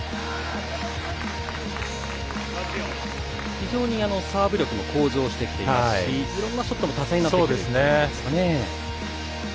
非常にサーブ力も向上してきていますしいろんなショットも多彩になってきているんですかね。